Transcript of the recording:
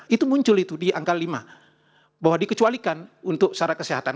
itu muncul itu di angka lima bahwa dikecualikan untuk secara kesehatan